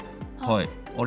あれ？